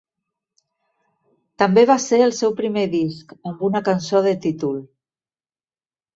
També va ser el seu primer disc amb una cançó de títol.